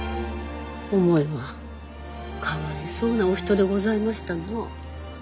思えばかわいそうなお人でございましたな。